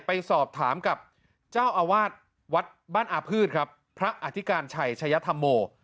ไปสอบถามกับเจ้าอาวาสวัดบ้านอาพืชครับพระอธิการชัยชัยธรรมโม